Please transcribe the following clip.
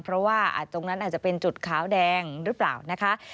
เพราะว่าตรงนั้นอาจจะเป็นจุดขาวแดงหรือเปล่านะคะ